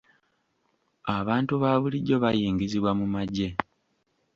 Abantu ba bulijjo bayingizibwa mu magye.